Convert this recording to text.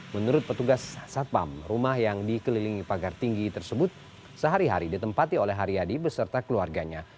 menurut petugas satpam rumah yang dikelilingi pagar tinggi tersebut sehari hari ditempati oleh haryadi beserta keluarganya